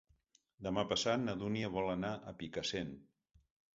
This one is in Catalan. Demà passat na Dúnia vol anar a Picassent.